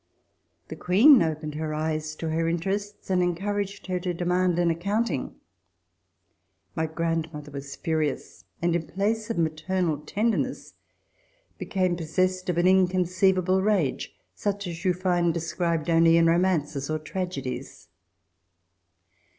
The Queen opened her eyes to her interests and encouraged her to demand an accounting. My grandmother was furious, and in place of maternal tenderness, became possessed of an inconceivable rage, such as you find described only in romances or tragedies.